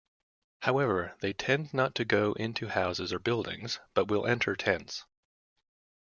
However, they tend not to go into houses or buildings, but will enter tents.